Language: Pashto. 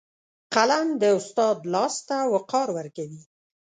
قلم د استاد لاس ته وقار ورکوي